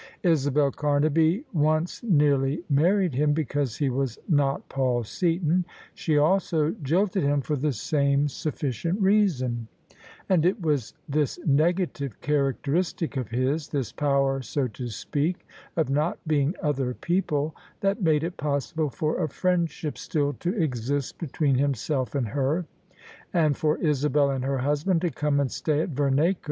Isabel Camaby once nearly married him because he was not Paul Seaton: she also jilted him for the same sufficient reason: C'56] THE SUBJECTION OF ISABEL CARNABY and It was this negative characteristic of his — ^this power, so to speak, of not being other people — ^that made it possible for a friendship still to exist between himself and her, and for Isabel and her husband to come and stay at Vcmacre.